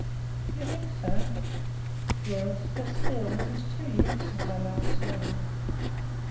"Do you think so?" "Yes. But still it is two years since I last saw you."